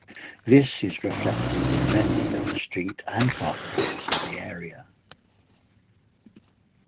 This is reflected in many of the street and park names in the area.